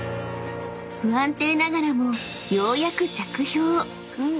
［不安定ながらもようやく］